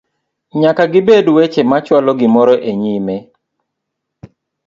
nyaka gibed weche machwalo gimoro e nyime